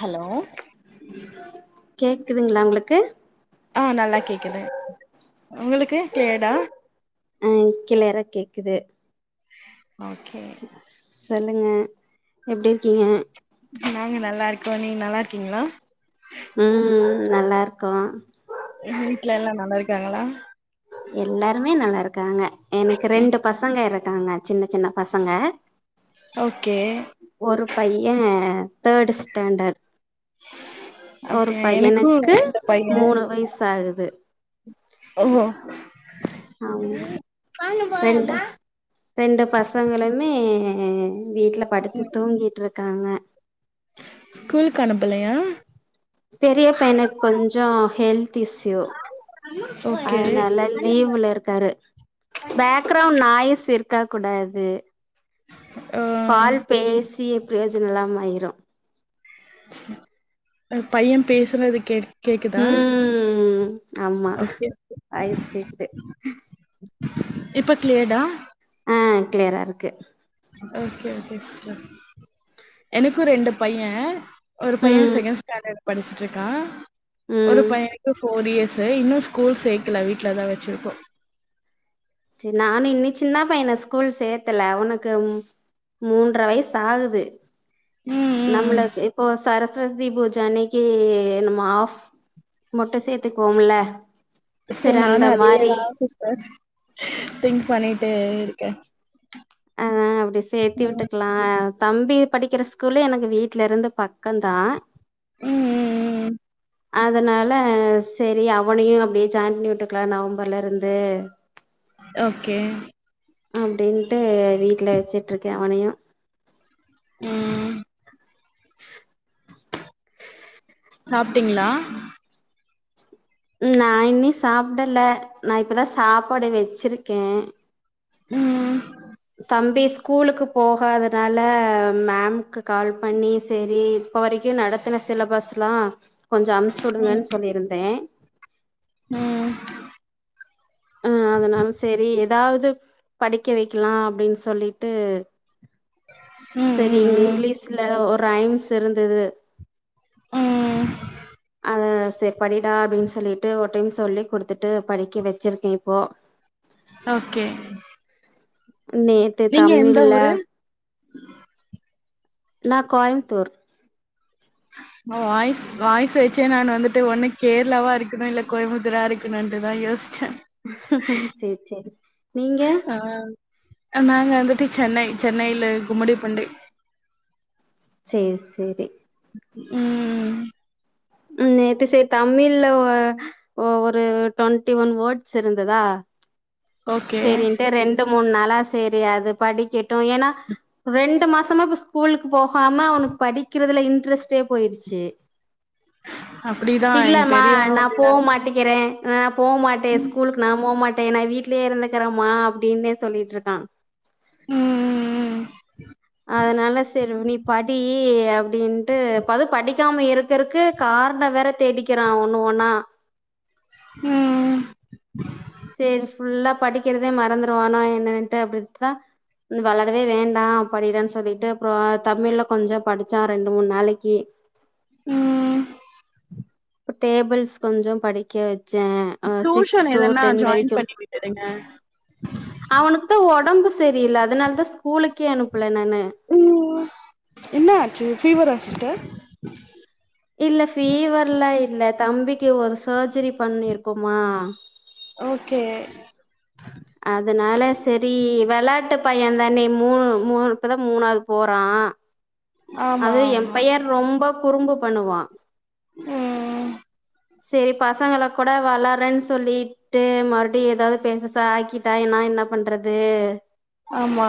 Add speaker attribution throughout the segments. Speaker 1: hello
Speaker 2: கேக்குதுங்களா உங்களுக்கு
Speaker 1: ஆ நல்லா கேக்குது உங்களுக்கு கிளியர்டா
Speaker 2: ஆ கிளியரா கேக்குது
Speaker 1: ஓகே
Speaker 2: சொல்லுங்க எப்டி இருக்கீங்க
Speaker 1: நாங்க நல்லாருக்கோ நீங்க நல்லாருக்கீங்ளா
Speaker 2: ம் ம் நல்லாருக்கோ
Speaker 1: உங்க வீட்ல எல்லா நல்லாருக்காங்களா
Speaker 2: எல்லாருமே நல்லாருக்காங்க எனக்கு ரெண்டு பசங்க இருக்காங்க சின்ன சின்ன பசங்க
Speaker 1: ஓகே
Speaker 2: ஒரு பைய தேர்ட் ஸ்டாண்டர்ட்
Speaker 1: அப்ப
Speaker 2: ஒரு
Speaker 1: எனக்கு
Speaker 2: பையனுக்கு
Speaker 1: ரெண்டு பைய
Speaker 2: மூணு வயசு ஆகுது
Speaker 1: ஓ
Speaker 2: ஆமா ரெண்டு ரெண்டு பசங்களுமே வீட்ல படித்து தூங்கிட்டு இருக்காங்க
Speaker 1: ஸ்கூல்க்கு அனுப்பலையா
Speaker 2: பெரிய பையனுக்கு கொஞ்சோ ஹெல்த் த் இஸ்யு
Speaker 1: ஓகே
Speaker 2: அதனால லீவ்ல இருக்காரு பேக் அப்ற நாய்ஸ் இருக்க கூடாது
Speaker 1: அ
Speaker 2: கால்ப் பேசி பிரயோஜனோ இல்லாம ஆயிரு
Speaker 1: அ பைய பேசனது கேட் கேக்குதா
Speaker 2: ம் ஆமா
Speaker 1: ஓகே ஓகே
Speaker 2: வாய்ஸ் கேக்குது
Speaker 1: இப்ப கிளியர்டா
Speaker 2: அ கிளியரா இருக்கு
Speaker 1: ஓகே ஓகே சிஸ்டர் எனக்கு ரெண்டு பைய ஒரு பைய
Speaker 2: ம்
Speaker 1: செகண்ட் ஸ்டாண்டர்ட் படிச்சிட்ருக்கா ஒரு
Speaker 2: ம்
Speaker 1: பைய ப ஃபோர் இயர்ஸு இன்னு ஸ்கூல் சேக்கல வீட்லதா வச்சிருக்கோ
Speaker 2: செரி நானு இன்னு சின்னா பையன ஸ்கூல் சேத்தல அவனுக்கும் மூன்ற வயசு ஆகுது
Speaker 1: ம் ம்
Speaker 2: நம்ளுக்கு இப்போ சரஸ் ரஸ்வதி பூஜை அன்னைக்கி நம்ம ஆஃப் மட்டு சேத்துக்குவோமில்ல
Speaker 1: சே நானு அதேதா சிஸ்டர் திங்க் பண்ணிட்டே இருக்கே
Speaker 2: அ அ அப்டி சேத்தி வுட்டுக் க்லா தம்பி படிக்கிற ஸ்கூலு எனக்கு வீட்ல இருந்து பக்கந்தா
Speaker 1: ம் ம் ம் ம்
Speaker 2: அதனால சேரி அவனையு அப்டியே ஜாயின் பண்ணி வுட்டுக்லா நவம்பர்லருந்து
Speaker 1: ஓகே
Speaker 2: அப்டின்ட்டு வீட்ல வச்சிட்ருக்கே அவனையு
Speaker 1: ம் சாப்ட்டீங்ளா
Speaker 2: நா இன்னி சாப்டல நா இப்பதா சாப்பாடு வெச்சிருக்கே
Speaker 1: ம்
Speaker 2: தம்பிச் ஸ்கூலுக்கு போகாதனால மேம்க்கு கால்ப் பண்ணி செரி இப்போ வரைக்கு நடத்தன சிலபஸ்லா கொஞ்சோ அம்ச்சூடுங்கன் சொல்லிருந்தே
Speaker 1: ம்
Speaker 2: அ அதனால செரி எதாவ்து படிக்க வைக்லா அப்டின் சொல்லிட்டு
Speaker 1: ம்
Speaker 2: செரி
Speaker 1: ம்
Speaker 2: இங்கிலீஷ்ல ஒரு ரைம்ஸ் இருந்தது
Speaker 1: ம்
Speaker 2: அத செர் படிடா அப்டின் சொல்லிட்டு ஒரு டைம் சொல்லி குடுத்துட்டு படிக்க வெச்சிருக்கே இப்போ
Speaker 1: ஓகே
Speaker 2: நேத்து
Speaker 1: நீங்க எந்த
Speaker 2: தமிழ்ல
Speaker 1: ஊரு
Speaker 2: நா கோயம்புத்தூர்
Speaker 1: வாய்ஸ் வாய்ஸ வச்சே நா வந்துட்டு ஒன்னு கேரளாவா இருக்கணு இல்ல கோயம்புத்தூரா இருக் க்குனுன்ட்டுதா யோச்சே
Speaker 2: சேரி சேரி நீங்க
Speaker 1: ஆ நாங்க வந்துட்டு சென்னை சென்னைல கும்முடி பூண்டி
Speaker 2: சேரி சேரி
Speaker 1: ம்
Speaker 2: ம் நேத்து சேரி தமிழ்ல ஒ ஒரு ட்வெண்ட்டி ஒன் வேர்ட்ஸ் இருந்ததா
Speaker 1: ஓகே
Speaker 2: சேரின்ட்டு ரெண்டு மூன் நாளா சேரி அது படிக்கட்டு ஏனா ரெண்டு மாசமா இப்ப ஸ்கூலுக்கு போகாம அவனுக் படிக்கிறதுல இன்ட்ரெஸ்ட்டே போயிருச்சி
Speaker 1: அப்டிதா எங்க பெரியவனு அப்டிதா இருக்
Speaker 2: கிறே நா போ மாட்டே ஸ்கூலுக்கு நாம் போமாட்டே நா வீட் ட்லியே இருந்துகறம்மா அப்டின்னே சொல்லிட்ருக்கா
Speaker 1: ம் ம் ம்
Speaker 2: அதனால சரி நீ படி அப்டின்ட்டு மது படிக்காம இருக்கறக்கு காரண வேற தேடிக்கிறா ஒன்னு ஒன்னா
Speaker 1: ம்
Speaker 2: சேரி ஃபுல்லா படிக்கிறதே மறந்துருவானா என்னன்ட்டு அப்டின்ட்டுதா நீ வளரவே வேண்டா படிடான்னு சொல்லிட்டு அப்புற தமிழ்ல கொஞ்ச படிச்சா ரெண்டு மூணு நாளைக்கி
Speaker 1: ம்
Speaker 2: இப்ப டேபிள்ஸ் கொஞ்ச படிக்க வச் ச ஆ சிக்ஸ்
Speaker 1: டியூஷன்
Speaker 2: டூ
Speaker 1: எதனா
Speaker 2: டென்
Speaker 1: ஜாயின்
Speaker 2: வரைக்கும்
Speaker 1: பண்ணி விட்டுடுங்க
Speaker 2: அவனுக்குதா ஒடம்பு சரியில்ல அதனாலதா ஸ்கூலுக்கே அனுப்புல நானு
Speaker 1: ம் என்ன ஆச்சு ஃபீவரா சிஸ்டர்
Speaker 2: இல்ல ஃபீவர்ல்லா இல்ல தம்பிக்கு ஒரு சர்ஜரி பண்ணிருக்கோமா
Speaker 1: ஓகே
Speaker 2: அதனால செரி வெளாட்ட பையன் தானே மூணு மூணு இப்பதா மூணாவது போறா
Speaker 1: ஆமா
Speaker 2: அது எம்
Speaker 1: ஆமா
Speaker 2: பைய ரொம்ப குறும்பு பண்ணுவா
Speaker 1: ம்
Speaker 2: சேரி பசங்கள கூட வெளாட்றேன்னு சொல்லி ட்டு மறுடியு ஏதாது பெருசசா ஆக்கிட்டா நா என்ன பண்றது
Speaker 1: ஆமா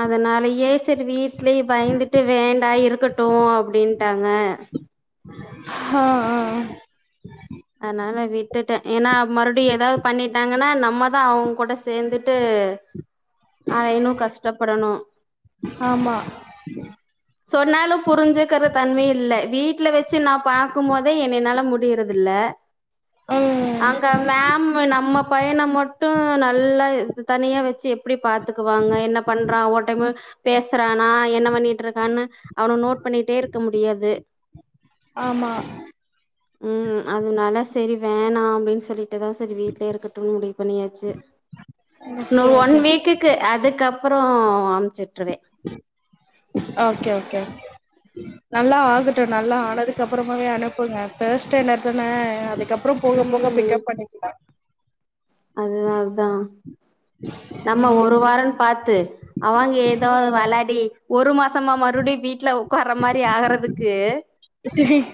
Speaker 2: அதனாலயே செரி வீட்லயு பயந்துட்டு வேண்டா இருக்கட்டு அப்டின்ட்டாங்க
Speaker 1: ஹ ஆ ஆ
Speaker 2: அதனால விட்டுட்டே ஏன்னா மறுடியு ஏதாது பண்ணிட்டாங்கன்னா நம்ம தா அவுங்க கூட சேந்துட்டு ஆ இன்னு கஷ்டப்படணு
Speaker 1: ஆமா
Speaker 2: சொன்னாலு புரிஞ்சுக்கற தன்மை இல்ல வீட்ல வச்சு நா பாக்கும் போதே என்னைனால முட் முடியிறதில்ல
Speaker 1: ம்
Speaker 2: அங்க மேம்மு நம்ம பையன மட்டு நல்லா தனியா வச்சு எப்டி பாத்துக்குவாங்க என்ன பண்றா ஒரு டைமு பேசுறானா என்ன பண்ணி டருக்கானு அவன நோட் பண்ணிட்டே இருக்க முடியாது
Speaker 1: ஆமா
Speaker 2: ம் அதனால செரி வேணா அப்டின்னு சொல்லிட்டுதா செரி வீட்லயே இருக்கட்டு முடிவு பண்ணியாச்சு
Speaker 1: ஓகே
Speaker 2: இன்னொரு ஒன்
Speaker 1: ஓகே சிஸ்டர்
Speaker 2: வீக்குக்கு அதுக்கப்றோ அமிச்சுட்டுருவே
Speaker 1: ஓகே ஓகே ஓகே நல்லா ஆகட்டு நல்லா ஆனதுக்கு அப்பறமாவே அனுப்புங்க தேர்ட் ஸ்டாண்டர்ட் தானே அதுக்கப் அப்றோ போக போக பிக்கப் பண்ணிக்கலா
Speaker 2: அதுனாலதா நம்ம
Speaker 1: ம்
Speaker 2: ஒரு வாரன் பாத்து அவ அங்க ஏதாது வெளாடி ஒரு மாசமா மறுபுடி வீட்ல உக்கார்ற மாரி ஆகுறதுக்கு
Speaker 1: சரி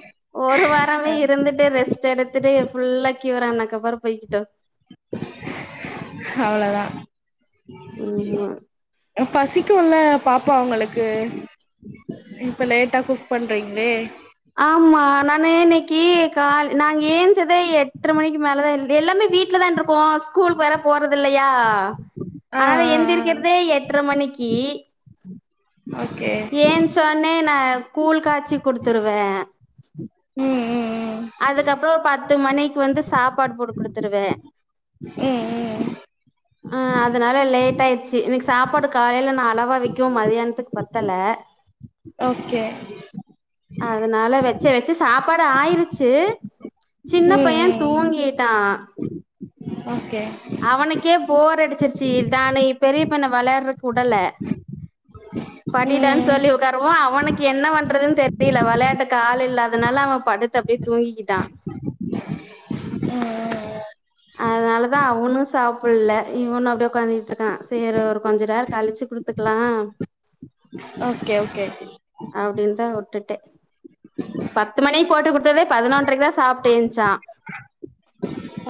Speaker 2: ஒரு வாரமே இருந்துட்டு ரெஸ்ட் எடுத்துட்டு ஃபுல்லா கியூரா ஆனக்கப்புற போய்கிட்டு
Speaker 1: அவ்ளோதா
Speaker 2: ஆமா
Speaker 1: ஆ பசிக்கும்ல பாப்பாங்களுக்கு இப்ப லேட்டா குக் பண்றீங்களே
Speaker 2: ஆமா நானு இன்னைக்கு கால் நாங்க ஏஞ்சதே எட்ற மணிக்கு மேலதா எல்லாமே வீட் ல தான இருப்போ ஸ்கூல்கு வேற போறதில்லயா
Speaker 1: ஆ
Speaker 2: அதனால
Speaker 1: ஆ ஆ
Speaker 2: எந்திரிக்கிறதே எட்ர மணிக்கி
Speaker 1: ஓகே
Speaker 2: ஏஞ்சவுனே நா கூழ் காச்சி குடுத்துருவே
Speaker 1: ம் ம்
Speaker 2: அதுக்கப்றோ ஒரு பத்து மணிக்கு வந்து சாப்பாடு போட்டு குடுத்துருவே
Speaker 1: ம் ம்
Speaker 2: ஆ அதனால லேட் ஆயிடுச்சு இன்னிக்கி சாப்பாடு காலேல நா அளவா வைக்கவு மதியானத்துக்கு பத் தல
Speaker 1: ஓகே
Speaker 2: அதனால வச்ச வச்சு சாப்பாடு ஆயிருச்சு சின்ன
Speaker 1: ம்
Speaker 2: பைய
Speaker 1: ம் ம்
Speaker 2: தூங்கிட்டா
Speaker 1: ஓகே
Speaker 2: அதுக்கே போர் அடிச்சிருச்சி இதான்ன பெரிய பொண்ண வெளயாடுறக்கு வுடல படிடான்
Speaker 1: ம்
Speaker 2: சொல்லி உட்காரவு அவனுக்கு என்ன பண்றதுன் தெரியில வெளையாட்டுக்கு ஆள் இல்லாதனால அவ படுத்து அப்டியே தூங்கிகிட்டா
Speaker 1: [inaudible] ம்
Speaker 2: அதுனாலதா அவனு சாப்புல்ல இவனு அப்டியே உக்காந்துகிட்டு இருக்கா வேற ஒரு கொஞ்ச நேர கழிச்சு குடுத்துக்கலா
Speaker 1: ஓகே ஓகே
Speaker 2: அப்படின்னு தா விட்டுட்டே பத்து மணி போட்டு குடுத் டதே பதினொன்றக்கு தா சாப்டு ஏஞ்சா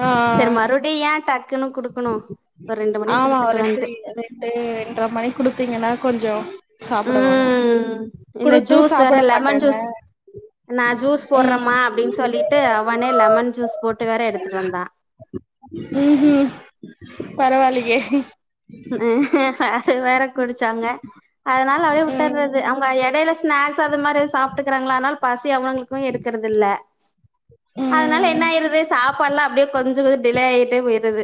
Speaker 1: ஆ
Speaker 2: சரி மறு அப்டி ஏ டக்குனு குடுக்கணு ஒரு ரெண்டு மணிக்கு
Speaker 1: ஆமா ஒரு
Speaker 2: குடுத்துக்கலான்ட்டு
Speaker 1: த்ரீ ரெண்டு ரெண்ர மணிக்கு குடுத்தீங்கன்னா கொஞ்சோ சாப்புடுவாங்க
Speaker 2: ம் இல்ல
Speaker 1: குடுத்து
Speaker 2: ஜூஸ் வேற
Speaker 1: சாப்புட
Speaker 2: லெமன்
Speaker 1: மாட்டாங்க
Speaker 2: ஜூஸ் நா ஜூஸ்
Speaker 1: ம்
Speaker 2: போட்றேமா அப்டின் சொல்லி ட்டு அவனே லெமன் ஜூஸ் போட்டு வேற எடுத்துட்டு வந்தா
Speaker 1: ம்ஹூ பரவாலியே
Speaker 2: அது வேற குடிச்சாங்க அதனால அப்டியே வுட்டறது
Speaker 1: ம்
Speaker 2: அவங்க எடயில ஸ்நாக்ஸ் அது மாரி எது சாப்பிட்டுக்கறாங்களா அதுனால பசி அவங்களுக்கு எடுக்கிறது இல்ல அதனால
Speaker 1: ம்
Speaker 2: என்ன ஆயிருது சாப்பாடுல்லா அப்டியே கொஞ்சோ கொஞ் டிலே ஆயிட்டே போயிருது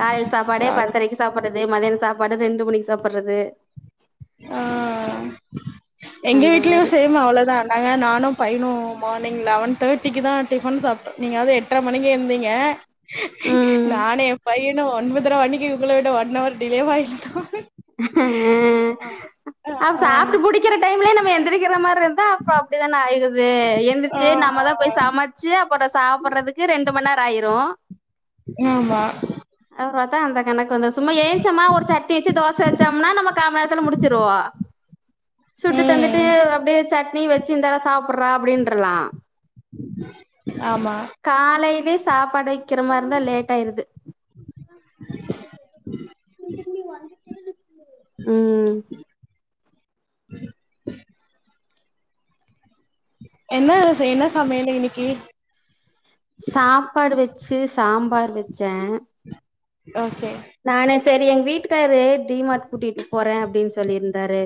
Speaker 2: காலயில சாப்பாடே
Speaker 1: அது
Speaker 2: பத்தரைக்கு சாப்பிடுறது மதியான சாப்பாடு ரெண்டு மணிக்கு சாப்பறது
Speaker 1: ஆ எங்க
Speaker 2: அந்த
Speaker 1: வீட்லயு
Speaker 2: மாரி
Speaker 1: சேம் அவ்ளோதா நாங்க நானு பையனு மார்னிங் லெவன் தேர்ட்டிக்கு தா டிஃபன் சாப்ட்டோ நீங்களாது எட்ர மணிக்கு எழுந்திங்க
Speaker 2: ம்
Speaker 1: நானு என் பையனு ஒன்பதரை மணிக்கு உங்களவிட ஒன் அவர் டிலேவாயிட்டோ
Speaker 2: ஹூ அவ சாப்ட்டு முடிக்கிற டைம்லே நம்ம எந்திரிக்கிற மாதிரி இருக் அப்பனா அப்ப அப்டிதானே ஆயிடுது
Speaker 1: ஆ ஆ
Speaker 2: எந்திருச்சு நம்ம தா
Speaker 1: ஆ
Speaker 2: போய் சமச் சு அப்பற சாப்படுறதுக்கு ரெண்டு மண்நேர ஆயிரு
Speaker 1: ஆமா
Speaker 2: அப்டிபாத்தா அந்த கணக்கு வந்து சும்மா ஏச்சமா ஒரு சட்னி வச்சு தோ ச வச்சோம்னா நம்ம காமநேரத்துல முடிச்சிருவோ சுட்டு தந்துட்டு
Speaker 1: ம்
Speaker 2: அப்டியே சட் ணி வச்சு இந்தாட சாப்புறா அப்டின்றலா
Speaker 1: ஆமா
Speaker 2: காலையிலயே சாப்பாடு வக்கிற மாதிரிந்தா லேட் ஆயிருது
Speaker 1: [inaudible]
Speaker 2: ம்
Speaker 1: [inaudible] என்ன செய்னு என்ன சமயல் இன்னிக்கு
Speaker 2: சாப்பாடு வச்சி சாம்பார் வச்சே
Speaker 1: ஓகே
Speaker 2: நானு செரி எங்க வீட்டுக்காரு டிமாரட் கூட்டிட்டு போறே அப்டின்னு சொல்லிருந்தாரு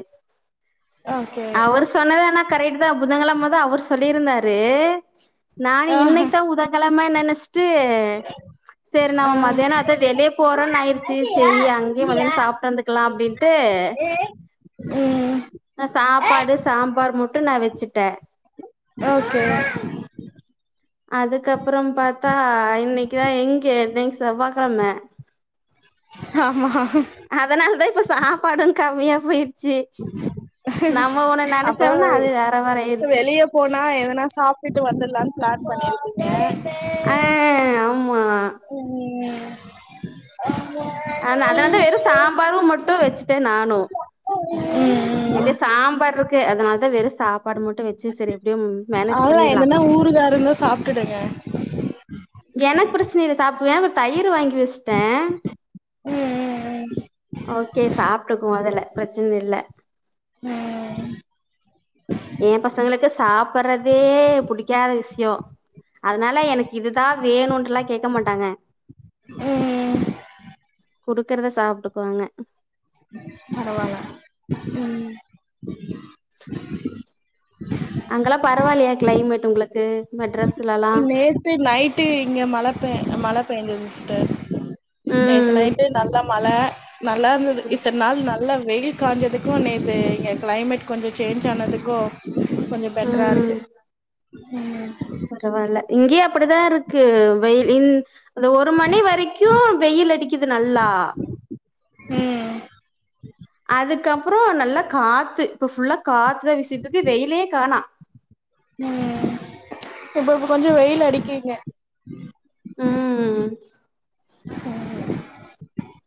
Speaker 1: ஓகே
Speaker 2: அவர் சொன்னது ஆனா கரெகட்டுதா புதங்கெழமதா அவரு சொல்லிருந்தாரு நானு
Speaker 1: ஆ
Speaker 2: இன்னக்கிதா புதங்கெழமன்னு நென சிட்டு செரி நம்ம
Speaker 1: ஆ
Speaker 2: மத்தியானோ அதா வெளிய போ றோன்னு ஆயிருச்சு செரி அங்கயே மத்தியானோ சாப்ட்டு வந்துக்கலா அப்டின்ட்டு
Speaker 1: ம்
Speaker 2: நா சாப்பாடு சாம்பார் முட்டு நா வச்சிட்டே
Speaker 1: ஓகே
Speaker 2: அதுக்கப்பறம் பாத்தா இன்னக்குதா எங்க இன்னக்கு செவ்வாகெழம
Speaker 1: ஆமா
Speaker 2: அதனாலதா இப்ப சாப்பாடு கம்மியா போய்ரு ச்சி நம்ம ஒன்னு
Speaker 1: அப்போ
Speaker 2: நெனச்சோம்னா அது வேற மாரி ஆயிருச்சு
Speaker 1: வெளிய போனா எதனா சாப்ட்டுட்டு வந்துடலான்னு பிளான் பண்ணிருப்பீங்க
Speaker 2: ஆ ஆமா
Speaker 1: ம்
Speaker 2: ஆ அதனாலதா
Speaker 1: ம்
Speaker 2: வெறு சாம்பாரு முட்டு வச்சுட்டே நானு
Speaker 1: ம் ம்
Speaker 2: எப்டியோ சாம்பார் இருக்கு அதனாலதா வெறு சாப்பாடு மட்டு வச்
Speaker 1: அவளதா எதன்னா ஊருகா இருந்தா சாப்ட்டுடுங்க
Speaker 2: எனக்கு பிரச்சன இல்ல சாப்ட்ருவே பட் தயிர் வாங்கி வச்சிட்டே
Speaker 1: ம்
Speaker 2: ஓகே சாப்ட்டுங்க மொதல்ல பிரச்சனை இல்ல
Speaker 1: ம்
Speaker 2: ஏ பசங்களுக்கு சாப்டுறதே புடிக்காத விஷயோ அதனால எனக்கு இதுதா வேணுன்ட்டெல்லா கேக்க மாட்டாங்க
Speaker 1: ம்
Speaker 2: குடுக்குறத சாப்ட்டுக்குவாங்க
Speaker 1: பரவால்ல ம்
Speaker 2: அங்கல்லா பரவாயில்லயா கிளைமேட் உங்களுக்கு மெட்ராஸ்லல்
Speaker 1: நேத்து நைட்டு இங்க மழ பெ மழ பேஞ்சது சிஸ்டர் நேத்து
Speaker 2: ம்
Speaker 1: நைட்டு நல்ல மழ நல்லா இருந்தது இத்தன நாள் நல்ல வெயில் காஞ்சதுக்கு நேத்து இங்க கிளைமேட் கொஞ்சோ சேஞ்ச் ஆனதுக்கு கொஞ்சோ பெட்ரா
Speaker 2: ம்
Speaker 1: இருக்கு ம்
Speaker 2: பரவால்ல இங்கயே அப்டிதா இருக்கு வெயில் இல் அந்த ஒரு மணி வரைக்கு வெயில் அடிக்குது நல்லா
Speaker 1: ம்
Speaker 2: அதுக்கப்பறோ நல்லா காத்து இப்ப ஃபுல்லா காத்துதா விசிட்டுறுக்கு வெயிலயே காணா
Speaker 1: ம் இப்பப்போ கொஞ்சோ வெயில் அடிக்கி இங்க
Speaker 2: ம்
Speaker 1: ம்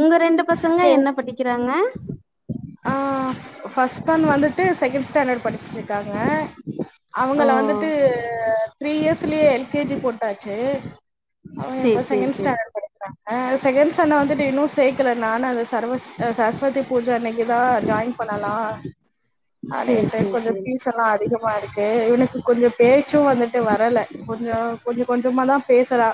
Speaker 2: உங்க ரெண்டு பசங்க
Speaker 1: சேர்
Speaker 2: என்ன படிக்கிறாங்க
Speaker 1: ஆ ஃபர்ஸ்ட் ஒன் வந்துட்டு செகண்ட் ஸ்டாண்டடு படிச்சுட்ருக்காங்க
Speaker 2: ஓ
Speaker 1: அவங்கள வந்துட்டு த்ரீ இயர்ஸ்லயே எல் கே ஜி போட்டாச்சு அவே இப்போ
Speaker 2: சேரி சேரி
Speaker 1: செகண்டு
Speaker 2: சேரி
Speaker 1: ஸ்டாண்டர்ட் படிக் ஆ செகண்ட் சன்னா வந்துட்டு இன்னு சேக்ல நானு அந்த சரவஸ் சரஸ்வதி பூஜ அன்னைக் க்கிதா ஜாயின் பண்ணலா
Speaker 2: சேரி
Speaker 1: அப்டின்ட்டு
Speaker 2: சேரி
Speaker 1: கொஞ்சோ
Speaker 2: சேரி
Speaker 1: பீஸ் எல்லா அதிகமாக இருக்கு இவனுக்கு கொஞ்சோ பேச்சு வந்துட்டு வரல கொஞ்சோ கொஞ்ச கொஞ்சமா தா பேசறா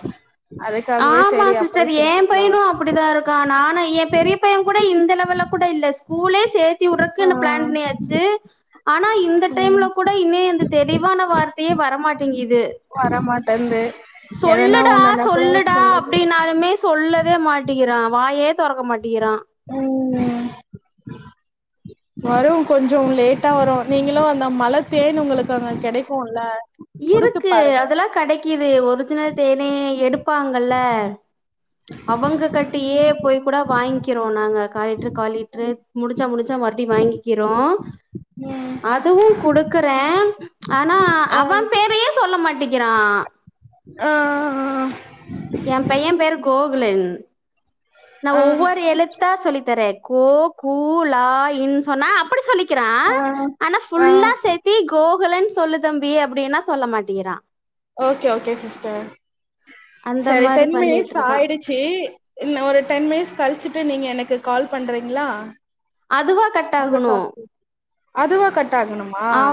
Speaker 2: ஆமா சிஸ்டர் ஏ
Speaker 1: சேத்துக்கலா
Speaker 2: பையனு அப்டிதா இருக் கா நானு ஏ பெரிய பைய கூட இந்த லெவல்ல கூட இல்ல ஸ்கூலே சேத் துயுட்டதுக்கு
Speaker 1: ஆ
Speaker 2: என்ன பிளான் பண்ணியாச்சு ஆனா இந்த டைம்ல கூட இன்னி எந்த தெளிவான வார்த்தையே வரமாட்டேங்கிது
Speaker 1: வரமாட்டந்து
Speaker 2: சொல்லுடா சொல்லுடா அப்டினாலுமே சொல்லவே மாட்டிக்கிறா வாயே தொறக்க மாட்டிக்கிறா
Speaker 1: ம் வரு கொஞ்சோ லேட்டா வரு நீங்களு அந்த மலத்தேனு உங்களுக்கு அங்க கெடைக்குல
Speaker 2: இருக்கு அதெல்லா கெடைக்கிது ஒரிஜினல் தேனே எடுப்பாங்கல்ல அவங்க கட்டியே போய் கூட வாங்க்கிறோ நாங்க கா லிட்டரு கா லிட்டரு முடிச்சா முடிச்சா மறுட்டி வாங்கிக்கிறோ
Speaker 1: ம்
Speaker 2: அதுவு குடுக்குறே ஆனா
Speaker 1: ஆ
Speaker 2: அவன் பேரையே சொல்ல மாட்டிங்கிறா
Speaker 1: ஆ
Speaker 2: ஏ பைய பேரு கோகுலன் நா
Speaker 1: ஆ ஆ
Speaker 2: ஒவ்வொரு எழுத்தா சொல்லித்தரே கோ கு ல ன் சொன்னா அப்டி சொல்லி க்கிறா ஆனா
Speaker 1: ஆ ஆ
Speaker 2: ஃபுல்லா சேத்தி கோகுலன்னு சொல்லு தம்பி அப்டின்னா சொல்ல மாட்டிக்கிறா
Speaker 1: ஓகே ஓகே சிஸ்டர்
Speaker 2: அந்த
Speaker 1: செரி
Speaker 2: மாரி
Speaker 1: டைம் மினிட்ஸ்
Speaker 2: பண்ணிட்ருக்கா
Speaker 1: ஆயிடுச் ச்சு ஒரு டென் மினிட்ஸ் கழிச்சிட்டு நீங்க எனக்கு கால் பண்றீங்ளா
Speaker 2: அதுவா கட்
Speaker 1: உங்க
Speaker 2: ஆகணு
Speaker 1: டாஸ்க்கு அதுவா கட் ஆகணுமா
Speaker 2: அவ